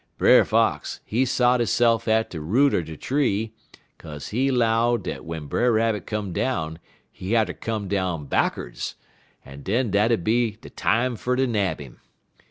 Brer Fox, he sot hisse'f at de root er de tree, kaze he 'low dat w'en Brer Rabbit come down he hatter come down backerds, en den dat 'ud be de time fer ter nab 'im.